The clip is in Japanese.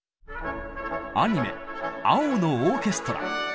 アニメ「青のオーケストラ」。